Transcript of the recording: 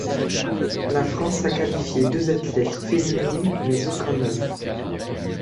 La France a qualifié deux athlètes féminines, mais aucun homme.